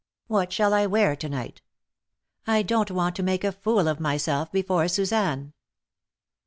What shall I wear to night? I don't want to make a fool of myself before Suzanne."